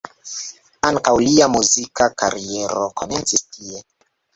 Ankaŭ lia muzika kariero komencis tie.